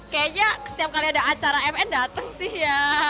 kayaknya setiap kali ada acara fn dateng sih ya